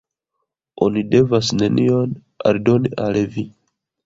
Oni devas nenion aldoni al vi.